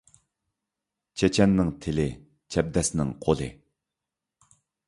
چېچەننىڭ تىلى ، چەبدەسنىڭ قولى